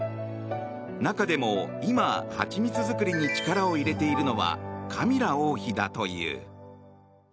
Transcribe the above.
中でも今、ハチミツ作りに力を入れているのはカミラ王妃だという。